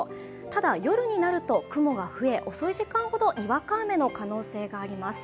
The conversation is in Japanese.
ただ、夜になると雲が増え、遅い時間ほどにわか雨の可能性があります。